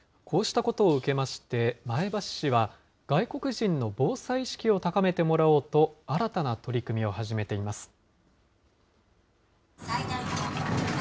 こうしたことを受けまして、前橋市は、外国人の防災意識を高めてもらおうと、新たな取り組みを始めています。